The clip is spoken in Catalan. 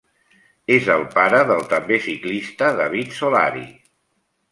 És el pare del també ciclista David Solari.